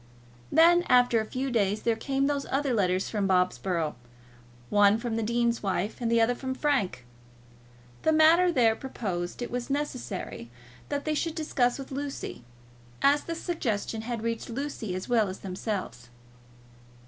Then, after a few days, there came those other letters from Bobsborough, one from the dean's wife and the other from Frank. The matter there proposed it was necessary that they should discuss with Lucy, as the suggestion had reached Lucy as well as themselves.